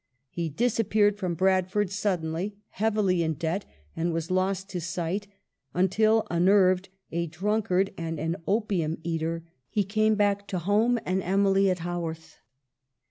He disappeared from Bradford sud denly, heavily in debt, and was lost to sight, until unnerved, a drunkard, and an opium eater, he came back to home and Emily at Haworth.